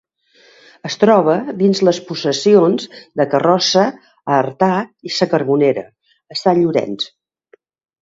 Es troba dins les possessions de Carrossa, a Artà, i sa Carbonera, a Sant Llorenç.